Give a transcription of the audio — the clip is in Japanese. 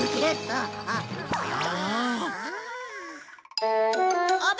ああ。